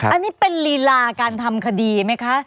อันนี้เป็นลีลาการทำคดีไหมคะ